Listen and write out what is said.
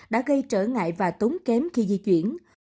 đã gây trở ngại và tốn kém khi di chuyển